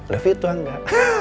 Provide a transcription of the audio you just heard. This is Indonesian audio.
love you tuh angga